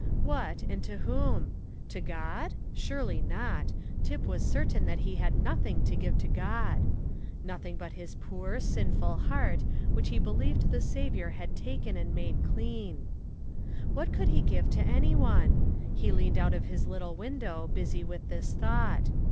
What, and to whom? To God? Surely not. Tip was certain that he had nothing to give to God; nothing but his poor, sinful heart, which he believed the Saviour had taken and made clean. What could he give to any one? He leaned out of his little window, busy with this thought.